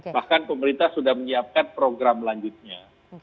bahkan pemerintah sudah menyiapkan program lanjutnya